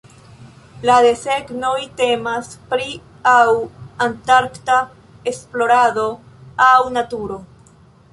La desegnoj temas pri aŭ antarkta esplorado aŭ naturo.